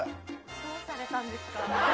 どうされたんですか？